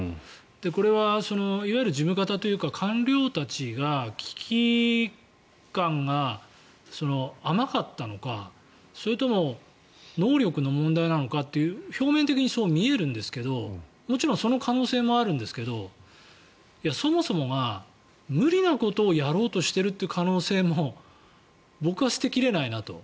これはいわゆる事務方というか官僚たちが危機感が甘かったのかそれとも能力の問題なのかという表面的にそう見えるんですがもちろんその可能性もあるんですけどそもそもが無理なことをやろうとしている可能性も僕は捨て切れないなと。